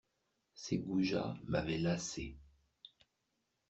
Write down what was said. Ces goujats m'avaient lassé.